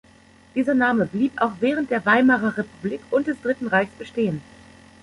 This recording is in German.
Dieser Name blieb auch während der Weimarer Republik und des Dritten Reichs bestehen.